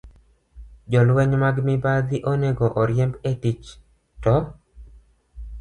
Jolweny mag mibadhi onego oriemb e tich, to